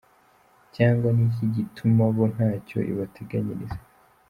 Cyangwa ni iki gituma bo ntacyo ibateganyiriza!!!?